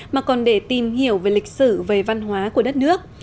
mà còn để tìm hiểu về lịch sử về văn hóa của đất nước